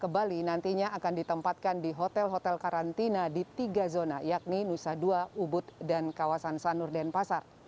ke bali nantinya akan ditempatkan di hotel hotel karantina di tiga zona yakni nusa dua ubud dan kawasan sanur denpasar